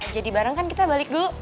jadi bareng kan kita balik dulu